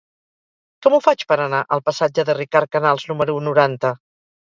Com ho faig per anar al passatge de Ricard Canals número noranta?